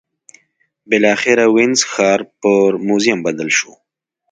بالاخره وینز ښار پر موزیم بدل شو.